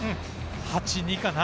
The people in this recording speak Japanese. ８対２かな。